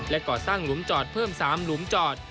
ก่อสร้างหลุมจอดเพิ่ม๓หลุมจอด